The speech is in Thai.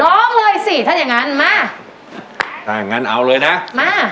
ร้องเลยสิถ้าอย่างงั้นมาถ้างั้นเอาเลยนะมา